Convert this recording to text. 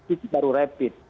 itu baru rapid